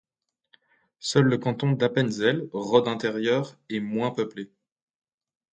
Seul le canton d'Appenzell Rhodes-Intérieures est moins peuplé.